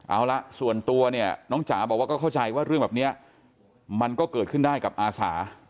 เอาละส่วนตัวเนี่ยน้องจ๋าบอกว่าก็เข้าใจว่าเรื่องแบบนี้มันก็เกิดขึ้นได้กับอาสา